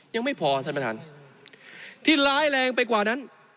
ยังไม่พอท่านประธานที่ร้ายแรงไปกว่านั้น